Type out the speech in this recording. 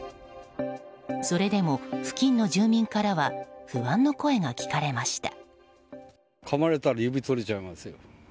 それでも付近の住民からは不安の声が聞かれました。